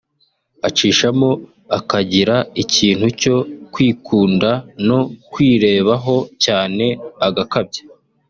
Acishamo akagira ikintu cyo kwikunda no kwirebaho cyane agakabya